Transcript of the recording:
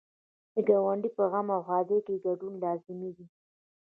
د ګاونډي په غم او ښادۍ کې ګډون لازمي دی.